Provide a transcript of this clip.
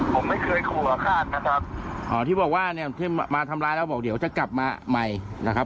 ผมไม่เคยขู่อาฆาตนะครับอ๋อที่บอกว่าเนี่ยที่มาทำร้ายแล้วบอกเดี๋ยวจะกลับมาใหม่นะครับ